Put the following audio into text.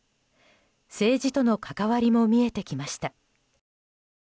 政治との関わりも見えてきました。